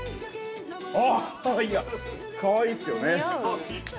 おっかわいいっすよね！